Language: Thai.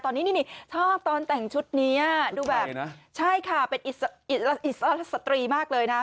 ตอนนี้นี่ชอบตอนแต่งชุดนี้ดูแบบใช่ค่ะเป็นอิสระสตรีมากเลยนะ